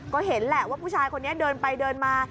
ก็เห็นแหละว่าผู้ชายคนนี้เดินไปเดินมา